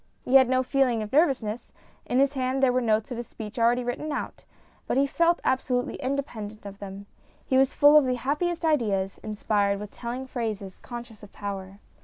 He had no feeling of nervousness ; in his hand were the notes of his speech already written out, but he felt absolutely independent of them. He was full of the happiest ideas, inspired with telling phrases, conscious of power.